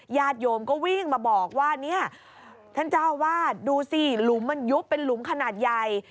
ญาติโยมก็วิ่งมาบอกว่าเนี่ยท่านเจ้าวาดดูสิหลุมมันยุบเป็นหลุมขนาดใหญ่